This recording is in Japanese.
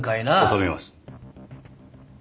収めます。